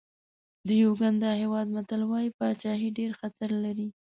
د یوګانډا هېواد متل وایي پاچاهي ډېر خطر لري.